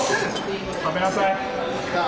食べなさい。